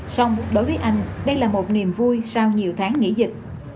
xong đối với anh đây là một niềm vui sau nhiều tháng nghỉ dịch